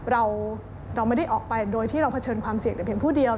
เราไม่ได้ออกไปโดยที่เราเผชิญความเสี่ยงแต่เพียงผู้เดียว